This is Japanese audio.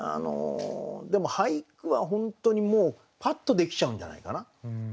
でも俳句は本当にもうパッとできちゃうんじゃないかな。